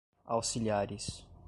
auxiliares